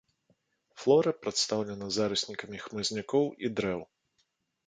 Флора прадстаўлена зараснікамі хмызнякоў і дрэў.